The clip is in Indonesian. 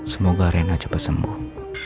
semoga rena cepat sembuh